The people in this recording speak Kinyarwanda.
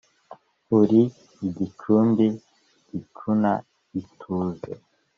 Uri igicumbi gicuna ituze